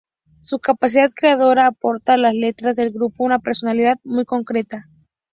Su capacidad creadora aporta a las letras del grupo una personalidad muy concreta.